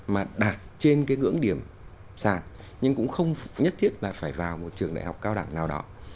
có rất nhiều cái điểm sàn nhưng cũng không nhất thiết là phải vào một trường đại học cao đẳng nào đó